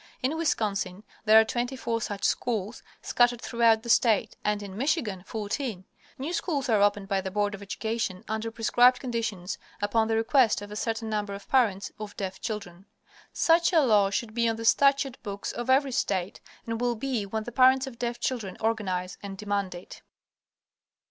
In Wisconsin there are twenty four such schools scattered throughout the state, and in Michigan fourteen. New schools are opened by the Board of Education under prescribed conditions upon the request of a certain number of parents of deaf children. Such a law should be on the statute books of every state, and will be when the parents of deaf children organize and demand it.